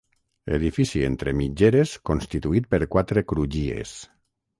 Edifici entre mitgeres constituït per quatre crugies.